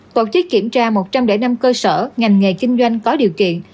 tổ chức kiểm tra một trăm linh năm cơ sở ngành nghề kinh doanh có điều kiện